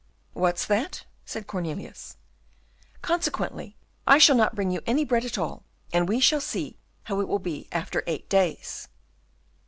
"What's that?" said Cornelius. "Consequently, I shall not bring you any bread at all, and we shall see how it will be after eight days."